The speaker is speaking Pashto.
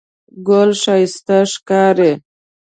ګل ښایسته ښکاري.